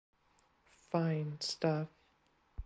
Fine stuff.